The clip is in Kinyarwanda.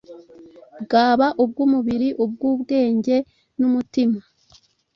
bwaba ubw’umubiri ubw’ubwenge n’umutima.